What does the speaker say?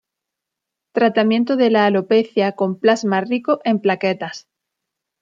Tratamiento de la alopecia con Plasma Rico en Plaquetas